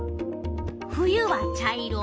冬は茶色。